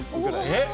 えっ？